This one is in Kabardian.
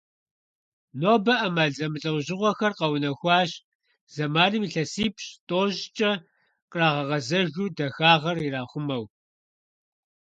Нобэ Iэмал зэмылIэужьыгъуэхэр къэунэхуащ, зэманым илъэсипщI-тIощIкIэ кърагъэгъэзэжу, дахагъэр ирахъумэу.